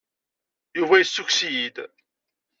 Yuba yessukkes-iyi-d.